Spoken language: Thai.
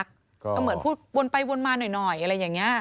ก็เหมือนพูดวนไปวนมาหน่อยอะไรอย่างนี้